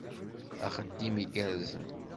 Axeddim igerrzen!